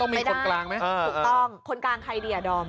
ไม่ได้ถูกต้องคนกลางใครดีอะดอม